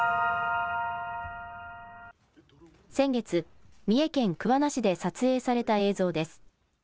先月、三重県桑名市で撮影された映像です。